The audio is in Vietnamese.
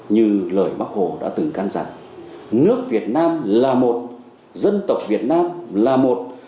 như lời bác hồ đã từng can rằng nước việt nam là một dân tộc việt nam là một